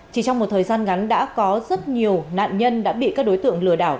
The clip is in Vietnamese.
chỉ trong một thời gian ngắn đã có rất nhiều nạn nhân đã bị các đối tượng lừa đảo